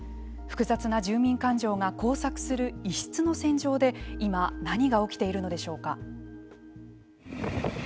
複雑な住民感情が交錯する異質の戦場で今何が起きているのでしょうか。